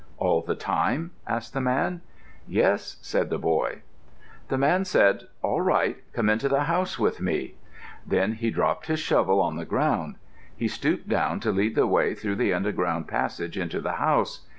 "All the time?" asked the man. "Yes," said the boy. The man said, "All right. Come into the house with me." Then he dropped his shovel on the ground. He stooped down to lead the way through the underground passage into the house.